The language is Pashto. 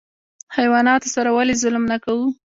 حیواناتو سره ولې ظلم نه کوو؟